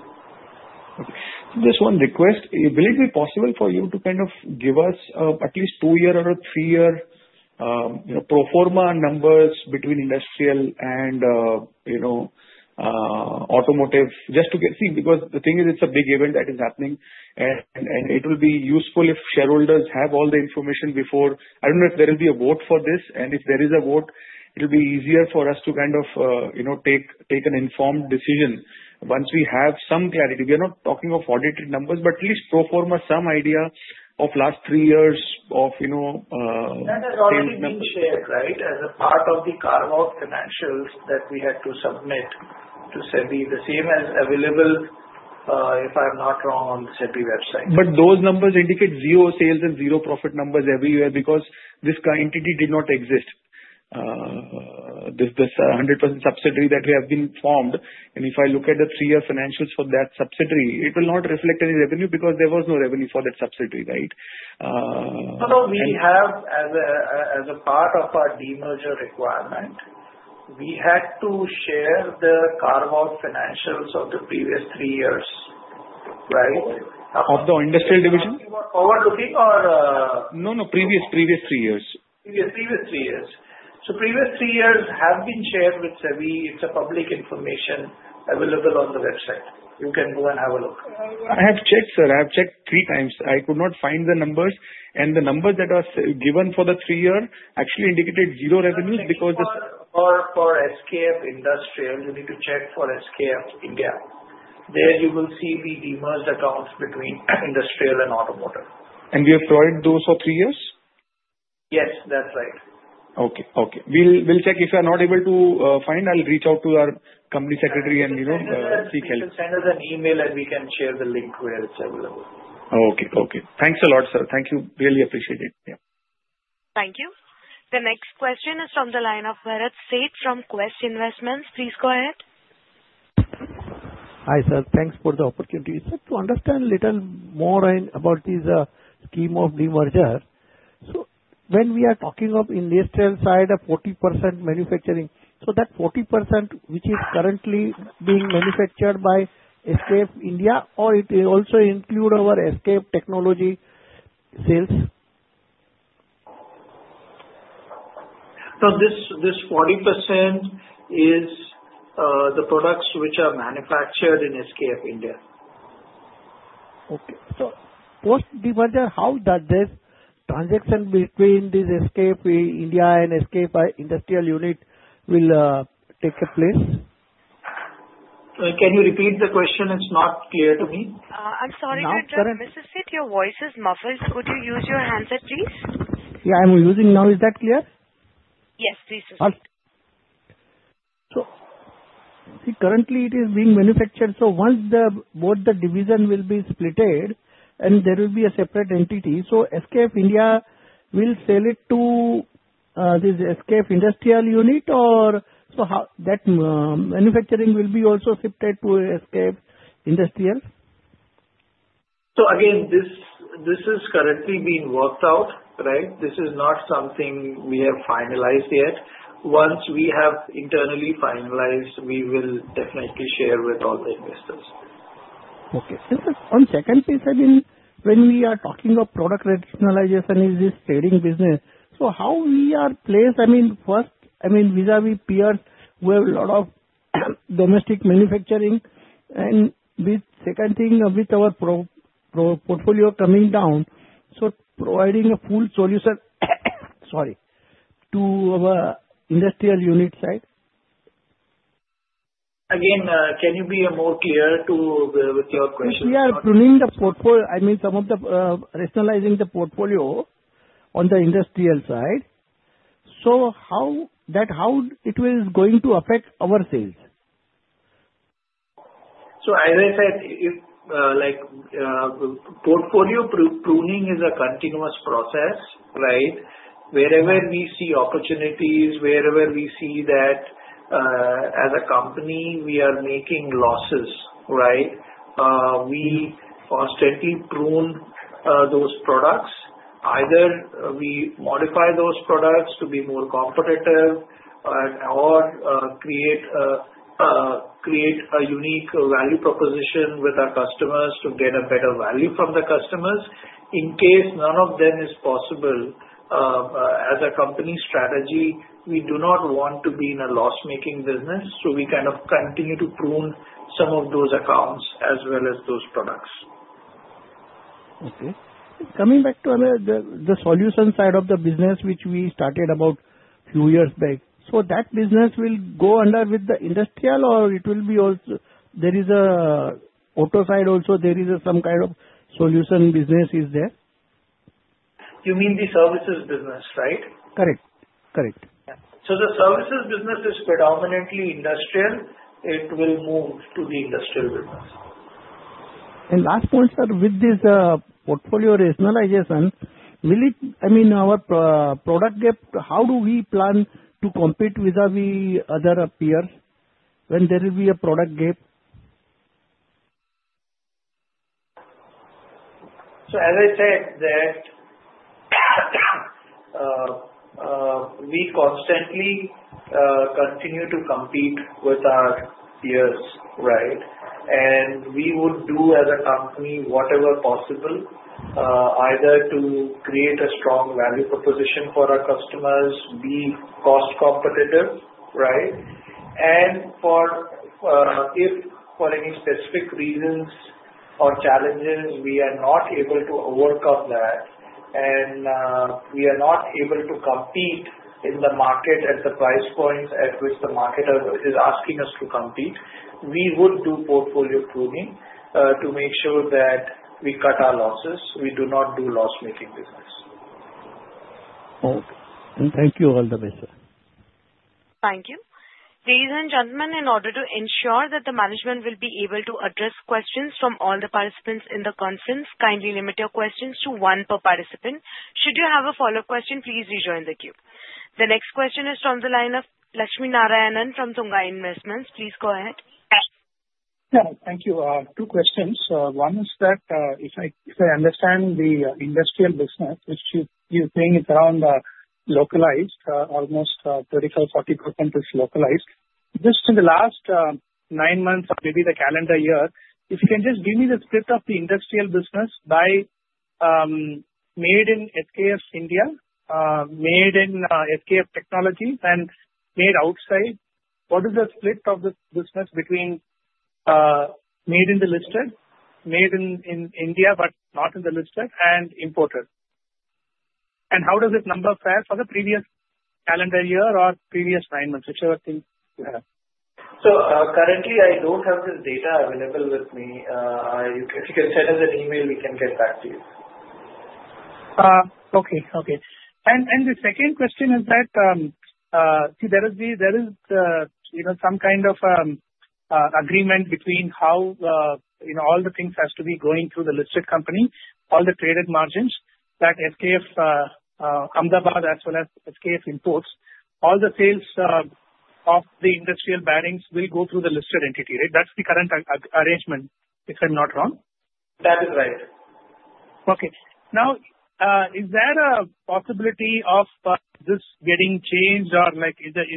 Okay. Just one request. Will it be possible for you to kind of give us at least two-year or three-year pro forma numbers between industrial and automotive just to see? Because the thing is, it's a big event that is happening, and it will be useful if shareholders have all the information before. I don't know if there will be a vote for this, and if there is a vote, it will be easier for us to kind of take an informed decision once we have some clarity. We are not talking of audited numbers, but at least pro forma some idea of last three years of. That has already been shared, right, as a part of the carve-out financials that we had to submit to SEBI, the same as available if I'm not wrong on the SEBI website. But those numbers indicate zero sales and zero profit numbers everywhere because this entity did not exist. This 100% subsidiary that we have been formed, and if I look at the three-year financials for that subsidiary, it will not reflect any revenue because there was no revenue for that subsidiary, right? No, no. As a part of our demerger requirement, we had to share the carve-out financials of the previous three years, right? Of the industrial division? Were we overlooking or? No, no. Previous three years. Previous three years. So previous three years have been shared with SEBI. It's public information available on the website. You can go and have a look. I have checked, sir. I have checked three times. I could not find the numbers, and the numbers that were given for the three-year actually indicated zero revenues because the. For SKF Industrial, you need to check for SKF India. There you will see the demerged accounts between industrial and automotive. We have provided those for three years? Yes. That's right. Okay. Okay. We'll check. If you are not able to find, I'll reach out to our company secretary and seek help. You can send us an email, and we can share the link where it's available. Okay. Thanks a lot, sir. Thank you. Really appreciate it. Yeah. Thank you. The next question is from the line of Bharat Sheth from Quest Investment Advisors. Please go ahead. Hi, sir. Thanks for the opportunity. It's good to understand a little more about this scheme of demerger. So when we are talking of industrial side of 40% manufacturing, so that 40% which is currently being manufactured by SKF India, or it also includes our SKF technology sales? This 40% is the products which are manufactured in SKF India. Okay. So post-demerger, how does this transaction between this SKF India and SKF industrial unit take place? Can you repeat the question? It's not clear to me. I'm sorry to interrupt. Mr. Sheth, your voice is muffled. Could you use your handset, please? Yeah. I'm using now. Is that clear? Yes. Please just. Currently, it is being manufactured. Once both the divisions will be split, and there will be a separate entity, so SKF India will sell it to this SKF industrial unit, or that manufacturing will be also shifted to SKF industrial? So again, this is currently being worked out, right? This is not something we have finalized yet. Once we have internally finalized, we will definitely share with all the investors. Okay. And sir, one second, please. I mean, when we are talking of product regionalization, it is trading business. So how we are placed, I mean, first, I mean, vis-à-vis peers, we have a lot of domestic manufacturing. And second thing, with our portfolio coming down, so providing a full solution, sorry, to our industrial unit side? Again, can you be more clear with your question? We are pruning the portfolio. I mean, some of the regionalizing the portfolio on the industrial side. So how it is going to affect our sales? So as I said, portfolio pruning is a continuous process, right? Wherever we see opportunities, wherever we see that as a company, we are making losses, right? We constantly prune those products. Either we modify those products to be more competitive or create a unique value proposition with our customers to get a better value from the customers. In case none of them is possible, as a company strategy, we do not want to be in a loss-making business. So we kind of continue to prune some of those accounts as well as those products. Okay. Coming back to the solution side of the business, which we started about a few years back, so that business will go under with the industrial, or it will be also there is an auto side also. There is some kind of solution business is there? You mean the services business, right? Correct. Correct. Yeah. So the services business is predominantly industrial. It will move to the industrial business. Last point, sir, with this portfolio regionalization, I mean, our product gap, how do we plan to compete vis-à-vis other peers when there will be a product gap? So as I said, we constantly continue to compete with our peers, right? And we would do, as a company, whatever possible, either to create a strong value proposition for our customers, be cost competitive, right? And if for any specific reasons or challenges, we are not able to overcome that, and we are not able to compete in the market at the price point at which the market is asking us to compete, we would do portfolio pruning to make sure that we cut our losses. We do not do loss-making business. Okay. Thank you. All the best, sir. Thank you. Ladies and gentlemen, in order to ensure that the management will be able to address questions from all the participants in the conference, kindly limit your questions to one per participant. Should you have a follow-up question, please rejoin the queue. The next question is from the line of Lakshminarayanan from Tunga Investments. Please go ahead. Hello. Thank you. Two questions. One is that if I understand the industrial business, which you're saying is around localized, almost 35%-40% is localized, just in the last nine months of maybe the calendar year, if you can just give me the split of the industrial business made in SKF India, made in SKF Technologies, and made outside, what is the split of the business between made in the listed, made in India but not in the listed, and imported? How does it compare for the previous calendar year or previous nine months, whichever you have? So, currently, I don't have this data available with me. If you can send us an email, we can get back to you. Okay. And the second question is that there is some kind of agreement between how all the things have to be going through the listed company, all the transfer margins, that SKF Ahmedabad as well as SKF imports, all the sales of the industrial bearings will go through the listed entity, right? That's the current arrangement, if I'm not wrong. That is right. Okay. Now, is there a possibility of this getting changed, or is it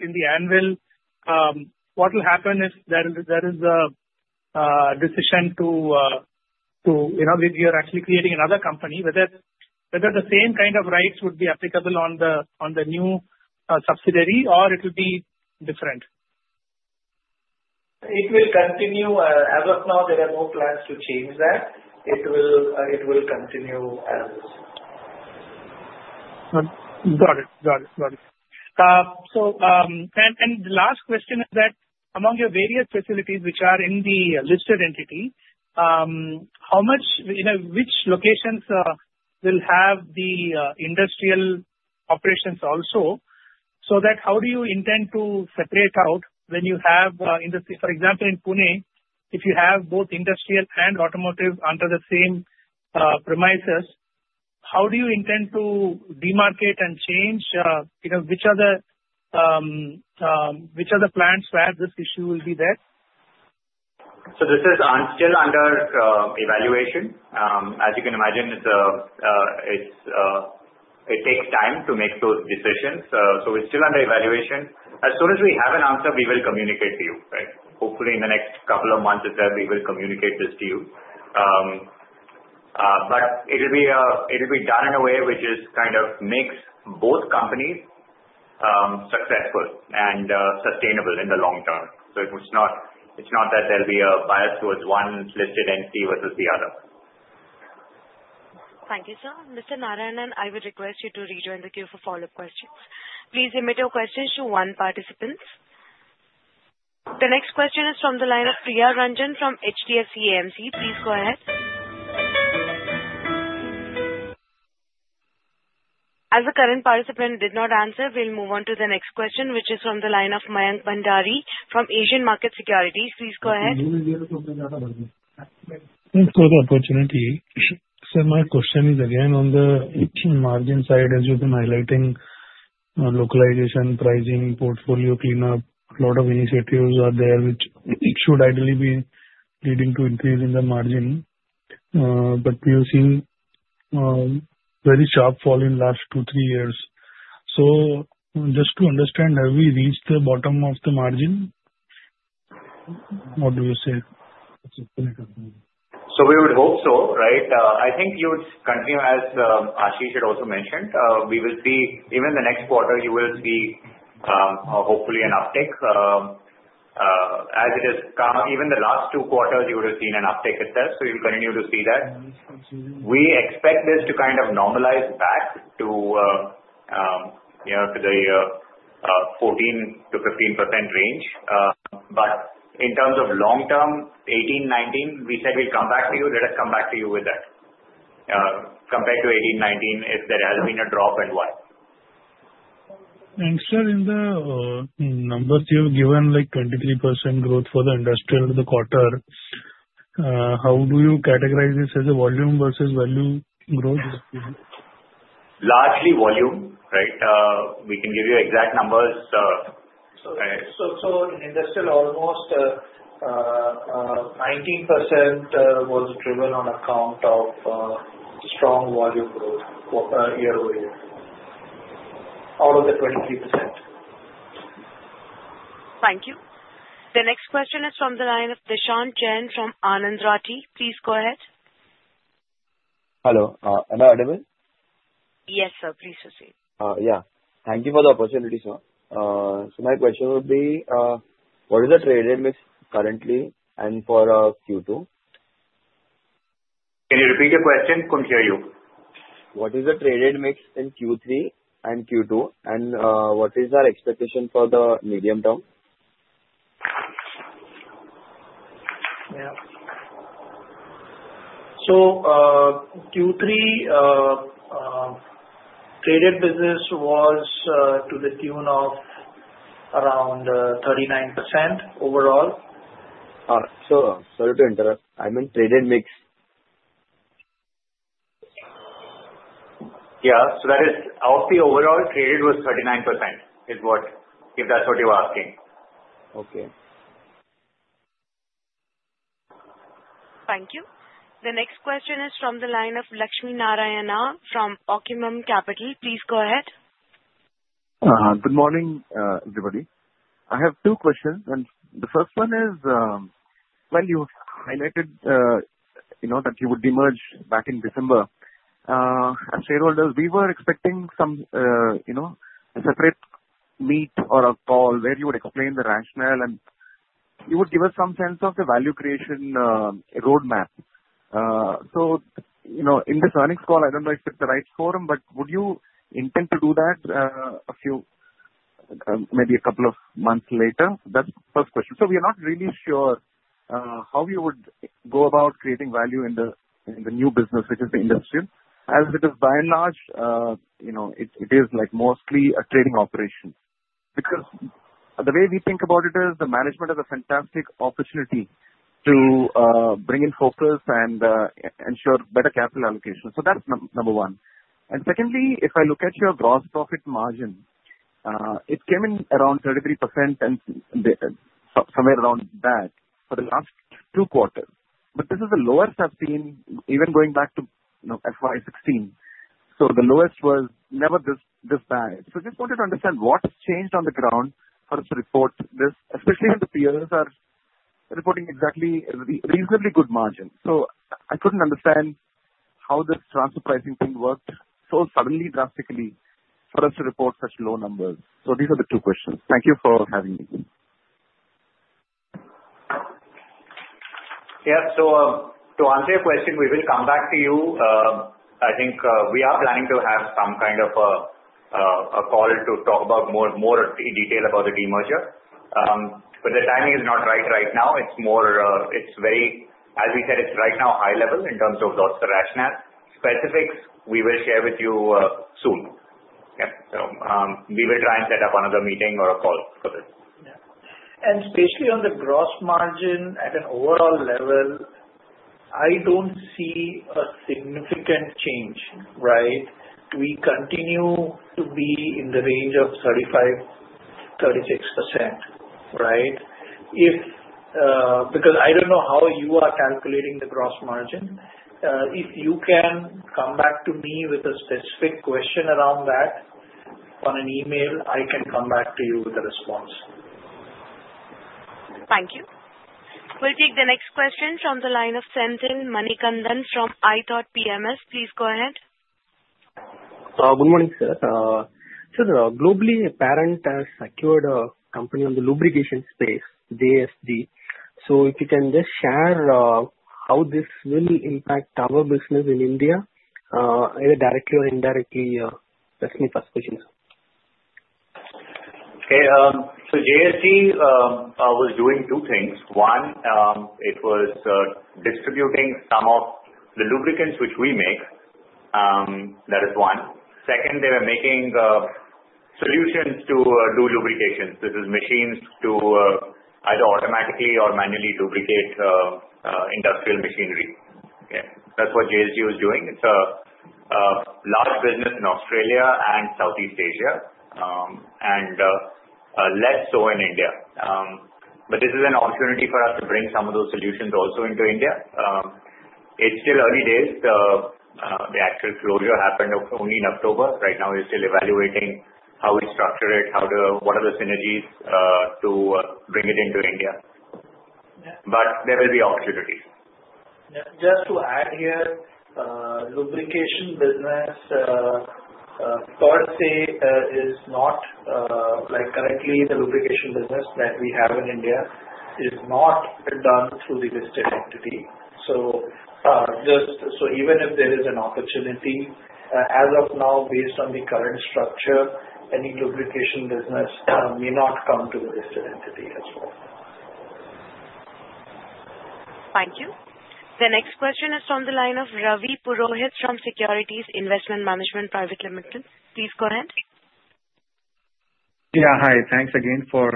in the annual? What will happen if there is a decision that you're actually creating another company, whether the same kind of rights would be applicable on the new subsidiary, or it will be different? It will continue. As of now, there are no plans to change that. It will continue as is. Got it. Got it. Got it. And the last question is that among your various facilities, which are in the listed entity, which locations will have the industrial operations also? So how do you intend to separate out when you have industry? For example, in Pune, if you have both industrial and automotive under the same premises, how do you intend to demarcate and change? Which are the plants where this issue will be there? So this is still under evaluation. As you can imagine, it takes time to make those decisions. So it's still under evaluation. As soon as we have an answer, we will communicate to you, right? Hopefully, in the next couple of months or so, we will communicate this to you. But it will be done in a way which kind of makes both companies successful and sustainable in the long term. So it's not that there'll be a bias towards one listed entity versus the other. Thank you, sir. Mr. Narayanan, I would request you to rejoin the queue for follow-up questions. Please limit your questions to one participant. The next question is from the line of Priya Ranjan from HDFC AMC. Please go ahead. As the current participant did not answer, we'll move on to the next question, which is from the line of Mayank Bhandari from Asian Market Securities. Please go ahead. Thanks for the opportunity. So my question is again on the margin side, as you've been highlighting, localization, pricing, portfolio cleanup, a lot of initiatives are there which should ideally be leading to increase in the margin. But we have seen very sharp fall in the last two, three years. So just to understand, have we reached the bottom of the margin? What do you say? So we would hope so, right? I think you would continue as Ashish should also mention. Even the next quarter, you will see hopefully an uptick. As it has come, even the last two quarters, you would have seen an uptick itself. So you'll continue to see that. We expect this to kind of normalize back to the 14%-15% range. But in terms of long term, 2018, 2019, we said we'll come back to you. Let us come back to you with that. Compared to 2018, 2019, if there has been a drop and why. Sir, in the numbers you've given, like 23% growth for the industrial quarter, how do you categorize this as a volume versus value growth? Largely volume, right? We can give you exact numbers. So in industrial, almost 19% was driven on account of strong volume growth year-over-year. Out of the 23%. Thank you. The next question is from the line of Dhanshree Sharma from Anand Rathi. Please go ahead. Hello. Another audible? Yes, sir. Please proceed. Yeah. Thank you for the opportunity, sir. So my question would be, what is the traded mix currently and for Q2? Can you repeat your question? Couldn't hear you. What is the trade rate mix in Q3 and Q2? And what is our expectation for the medium term? Yeah. So Q3, traded business was to the tune of around 39% overall. Sorry to interrupt. I meant trade rate mix. Yeah. So that is of the overall, traded was 39% is what, if that's what you're asking. Okay. Thank you. The next question is from the line of Lakshmi Narayanan from Tunga Investments. Please go ahead. Good morning, everybody. I have two questions, and the first one is, when you highlighted that you would demerge back in December, as shareholders, we were expecting some separate meet or a call where you would explain the rationale, and you would give us some sense of the value creation roadmap, so in this earnings call, I don't know if it's the right forum, but would you intend to do that maybe a couple of months later? That's the first question, so we are not really sure how you would go about creating value in the new business, which is the industrial. As it is, by and large, it is mostly a trading operation. Because the way we think about it is the management has a fantastic opportunity to bring in focus and ensure better capital allocation, so that's number one. And secondly, if I look at your gross profit margin, it came in around 33% and somewhere around that for the last two quarters. But this is the lowest I've seen, even going back to FY 2016. So the lowest was never this bad. So I just wanted to understand what's changed on the ground for us to report this, especially when the peers are reporting exactly reasonably good margins. So I couldn't understand how this transfer pricing thing worked so suddenly, drastically, for us to report such low numbers. So these are the two questions. Thank you for having me. Yeah. So to answer your question, we will come back to you. I think we are planning to have some kind of a call to talk about more in detail about the demerger. But the timing is not right right now. It's very, as we said, it's right now high level in terms of the rationale. Specifics, we will share with you soon. Yeah. So we will try and set up another meeting or a call for this. Yeah. And especially on the gross margin at an overall level, I don't see a significant change, right? We continue to be in the range of 35%-36%, right? Because I don't know how you are calculating the gross margin. If you can come back to me with a specific question around that on an email, I can come back to you with a response. Thank you. We'll take the next question from the line of Senthil Manikandan from iThought PMS. Please go ahead. Good morning, sir. So globally, Parent has secured a company in the lubrication space, JSG. So if you can just share how this will impact our business in India, either directly or indirectly, that's my first question, sir. Okay. So JSG was doing two things. One, it was distributing some of the lubricants which we make. That is one. Second, they were making solutions to do lubrication. This is machines to either automatically or manually lubricate industrial machinery. Okay. That's what JSG was doing. It's a large business in Australia and Southeast Asia, and less so in India. But this is an opportunity for us to bring some of those solutions also into India. It's still early days. The actual closure happened only in October. Right now, we're still evaluating how we structure it, what are the synergies to bring it into India. But there will be opportunities. Just to add here, lubrication business per se is not core to the lubrication business that we have in India, is not done through the listed entity. So even if there is an opportunity, as of now, based on the current structure, any lubrication business may not come to the listed entity as well. Thank you. The next question is from the line of Ravi Purohit from Securities Investment Management Private Limited. Please go ahead. Yeah. Hi. Thanks again for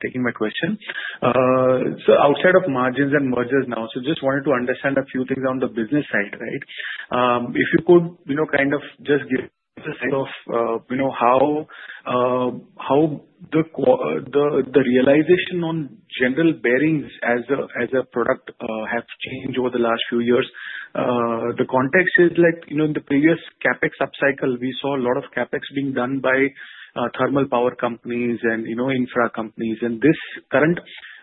taking my question. So outside of margins and mergers now, so just wanted to understand a few things on the business side, right? If you could kind of just give us a sense of how the realization on general bearings as a product has changed over the last few years. The context is in the previous CapEx upcycle, we saw a lot of CapEx being done by thermal power companies and infra companies. And this current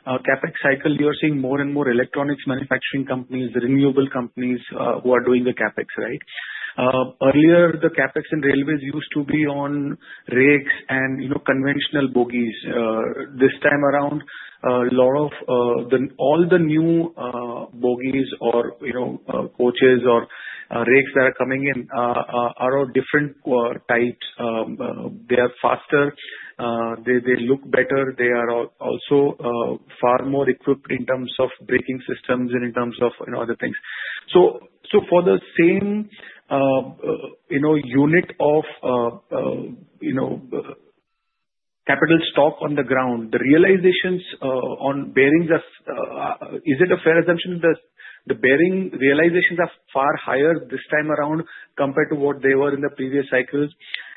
CapEx cycle, you're seeing more and more electronics manufacturing companies, renewable companies who are doing the CapEx, right? Earlier, the CapEx in railways used to be on rakes and conventional bogies. This time around, a lot of all the new bogies or coaches or rakes that are coming in are of different types. They are faster. They look better. They are also far more equipped in terms of braking systems and in terms of other things. So for the same unit of capital stock on the ground, the realizations on bearings, is it a fair assumption that the bearing realizations are far higher this time around compared to what they were in the previous cycles?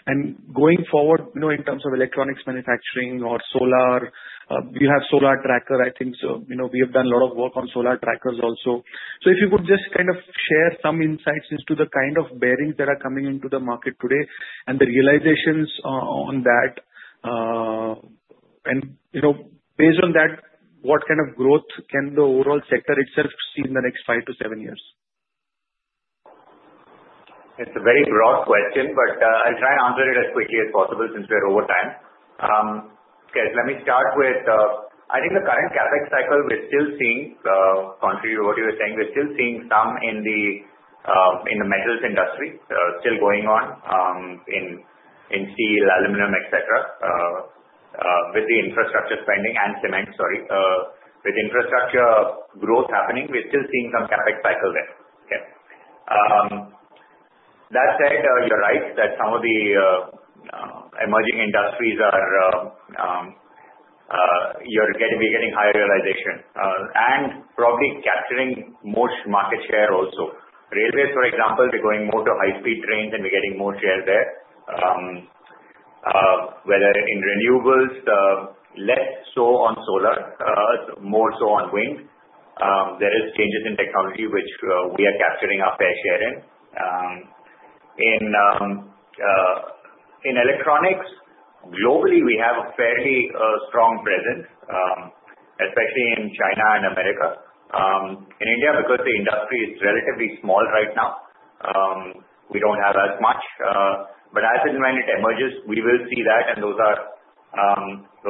And going forward, in terms of electronics manufacturing or solar, you have solar tracker, I think. So we have done a lot of work on solar trackers also. So if you could just kind of share some insights into the kind of bearings that are coming into the market today and the realizations on that. And based on that, what kind of growth can the overall sector itself see in the next five to seven years? It's a very broad question, but I'll try and answer it as quickly as possible since we are over time. Okay. Let me start with I think the current CapEx cycle, we're still seeing contrary to what you were saying, we're still seeing some in the metals industry, still going on in steel, aluminum, etc. With the infrastructure spending and cement, sorry. With infrastructure growth happening, we're still seeing some CapEx cycle there. Okay. That said, you're right that some of the emerging industries are we're getting higher realization and probably capturing more market share also. Railways, for example, they're going more to high-speed trains, and we're getting more share there. Whether in renewables, less so on solar, more so on wind. There are changes in technology which we are capturing our fair share in. In electronics, globally, we have a fairly strong presence, especially in China and America. In India, because the industry is relatively small right now, we don't have as much. But as and when it emerges, we will see that. And those are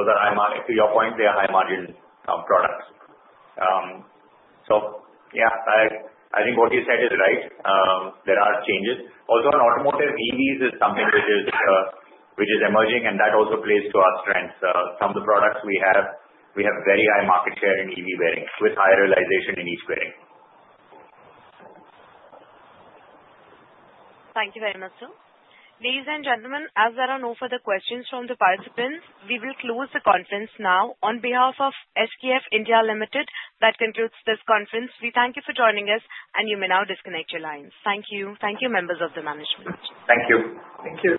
high margin. To your point, they are high margin products. So yeah, I think what you said is right. There are changes. Also, in automotive, EVs is something which is emerging, and that also plays to our strengths. Some of the products we have, we have very high market share in EV bearings with high realization in each bearing. Thank you very much, sir. Ladies and gentlemen, as there are no further questions from the participants, we will close the conference now. On behalf of SKF India Limited, that concludes this conference. We thank you for joining us, and you may now disconnect your lines. Thank you. Thank you, members of the management. Thank you. Thank you.